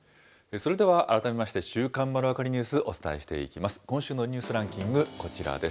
それでは改めまして、週刊まるわかりニュース、お伝えしていきます。